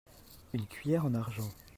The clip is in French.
Une cuillère en argent.